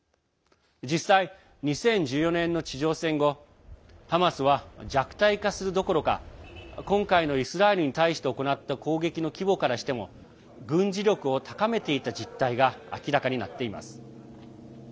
実際、２０１４年の地上戦後ハマスは弱体化するどころか今回のイスラエルに対して行った攻撃の規模からしても軍事力を高めていた実態が明らかになっています。